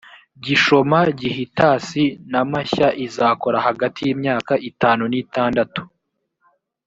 gishoma gihitasi na mashya izakora hagati y imyaka itanu n itandatu